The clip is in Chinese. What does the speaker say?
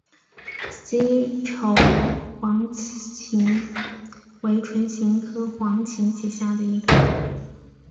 西畴黄芩为唇形科黄芩属下的一个种。